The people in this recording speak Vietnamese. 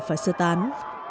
phải sơ tán